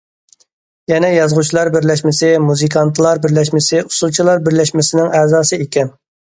يەنە يازغۇچىلار بىرلەشمىسى، مۇزىكانتلار بىرلەشمىسى، ئۇسسۇلچىلار بىرلەشمىسىنىڭ ئەزاسى ئىكەن.